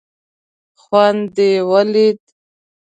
خوند دې یې ولید.